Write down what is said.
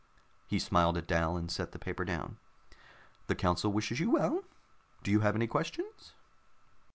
He smiled at Dal, and set the paper down. "The council wishes you well. Do you have any questions?"